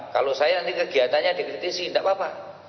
kalau saya nanti kegiatannya dikritisi enggak apa apa